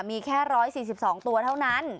มีแค่๑๔๒ตัวเท่านั้น